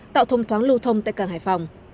tạo thông thoáng lưu thông tại càng hải phòng